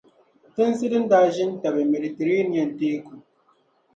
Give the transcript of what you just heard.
tinsi din zaa daa ʒi n-tabi Meditireniɛn teeku.